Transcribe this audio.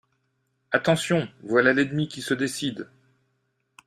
Attention ! voilà l'ennemi qui se décide.